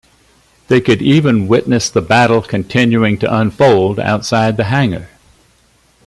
They could even witness the battle continuing to unfold outside the hangar.